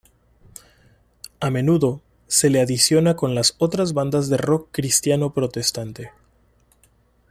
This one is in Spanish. A menudo se los adiciona con las otras bandas de rock cristiano protestante.